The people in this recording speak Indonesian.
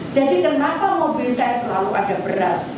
jadi kenapa mobil saya selalu ada beras